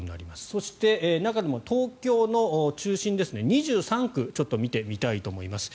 そして、中でも東京の中心２３区を見てみたいと思います。